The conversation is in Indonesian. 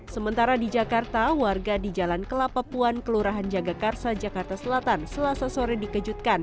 sementara di jakarta warga di jalan kelapa puan kelurahan jagakarsa jakarta selatan selasa sore dikejutkan